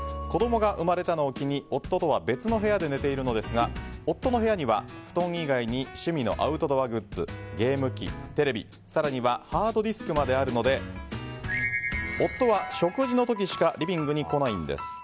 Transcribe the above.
子供が生まれたのを機に夫とは別の部屋で寝ているんですが夫の部屋には布団以外に趣味のアウトドアグッズゲーム機、テレビ、更にはハードディスクまであるので夫は食事の時しかリビングに来ないんです。